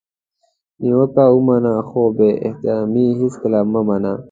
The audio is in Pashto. نیوکه ومنه خو بي احترامي هیڅکله مه منه!